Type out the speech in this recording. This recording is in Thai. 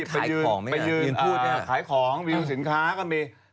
ไปยืนขายของยืนสินค้าก็มี